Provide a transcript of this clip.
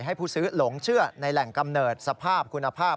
ให้ผู้ซื้อหลงเชื่อในแหล่งกำเนิดสภาพคุณภาพ